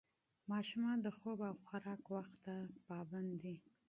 ماشومان د خوب او خوراک وخت ته پابند دي.